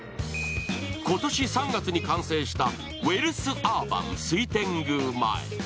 今年３月に完成したウェリスアーバン水天宮前。